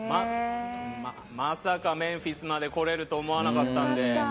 まさかメンフィスまで来れると思わなかったので。